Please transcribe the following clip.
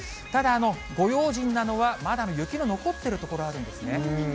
ただご用心なのは、まだ雪の残っている所あるんですね。